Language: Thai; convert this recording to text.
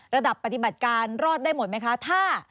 ระดับปฏิบัติการรอดได้หมดไหมคะ